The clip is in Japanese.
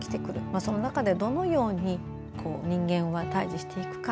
その中でどのように人間は対峙していくか。